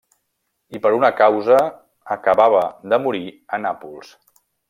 I per una causa…; acabava de morir a Nàpols.